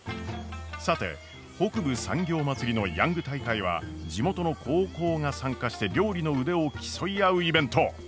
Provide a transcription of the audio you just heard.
さて北部産業まつりのヤング大会は地元の高校が参加して料理の腕を競い合うイベント。